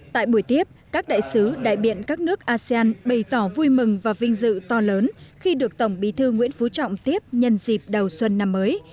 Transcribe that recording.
tại buổi tiếp các đại sứ đại biện các nước asean bày tỏ vui mừng và vinh dự to lớn khi được tổng bí thư nguyễn phú trọng tiếp nhân dịp đầu xuân năm mới